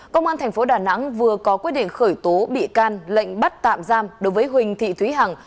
công an tp đà nẵng vừa có quyết định khởi tố bị can lệnh bắt tạm giam đối với huỳnh thị thúy hằng